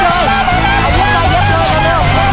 เร็วเร็ว